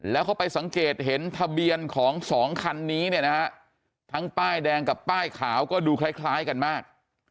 แล้วเขาไปสังเกตเห็นทะเบียนของสองคันนี้เนี่ยนะฮะทั้งป้ายแดงกับป้ายขาวก็ดูคล้ายกันมาก